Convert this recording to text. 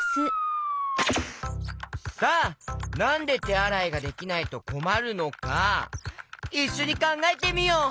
さあなんでてあらいができないとこまるのかいっしょにかんがえてみよう！